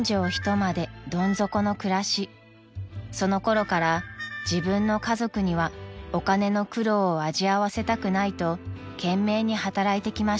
［その頃から自分の家族にはお金の苦労を味わわせたくないと懸命に働いてきました］